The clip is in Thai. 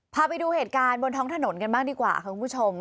พาไปดูเหตุการณ์บนท้องถนนกันบ้างดีกว่าค่ะคุณผู้ชม